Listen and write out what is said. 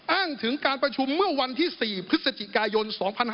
อ้างถึงการประชุมเมื่อวันที่๔พฤศจิกายน๒๕๕๙